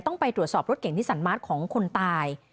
ต้องไปตรวจสอบรถเก่งนิสันมาร์ทของคนตาย